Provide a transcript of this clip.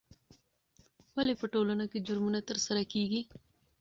ولې په ټولنه کې جرمونه ترسره کیږي؟